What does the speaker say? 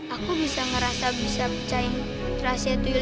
aku bisa ngerasa bisa percaya rahasia itu ya lek